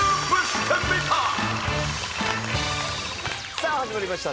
さあ始まりました